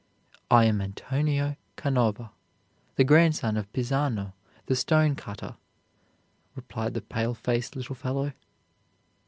"I am Antonio Canova, the grandson of Pisano, the stone cutter," replied the pale faced little fellow.